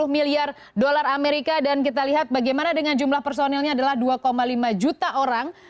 lima ratus delapan puluh miliar dolar amerika dan kita lihat bagaimana dengan jumlah personilnya adalah dua lima juta orang